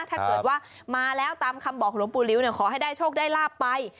ถ้าเกิดว่ามาแล้วตามคำบอกหลวงปู่ลิ้วขอให้ได้โชคได้ลาบไป